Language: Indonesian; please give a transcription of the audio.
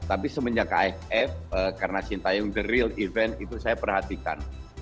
tapi semenjak aff karena sintayong the real event itu saya perhatikan